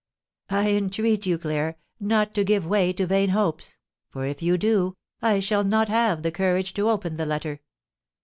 "I entreat you, Claire, not to give way to vain hopes; for, if you do, I shall not have the courage to open the letter."